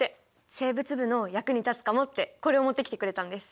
生物部の役に立つかもってこれをもってきてくれたんです。